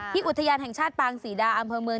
อุทยานแห่งชาติปางศรีดาอำเภอเมือง